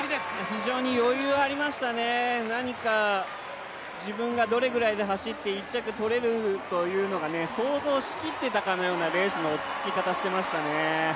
非常に余裕ありましたね、自分がどれぐらいで走って１着取れるというのが想像しきっていたかのようなレースの落ち着き方をしていましたね。